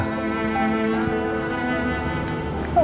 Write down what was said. kamu udah senyuman